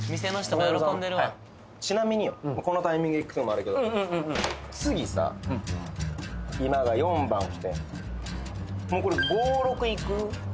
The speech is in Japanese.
崇裕さんはいこのタイミングで聞くのもあれやけど今が４番来てもうこれ５６行く？